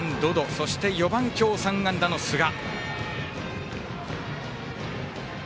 そして４番、今日３安打の寿賀。